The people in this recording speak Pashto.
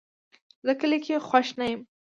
زه کلي کې خوښ نه یم